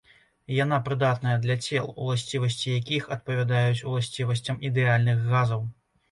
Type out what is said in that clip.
Яна прыдатная для цел, уласцівасці якіх адпавядаюць уласцівасцям ідэальных газаў.